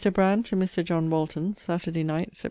BRAND, TO MR. JOHN WALTON SAT. NIGHT, SEPT.